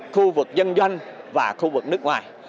khu vực dân doanh và khu vực nước ngoài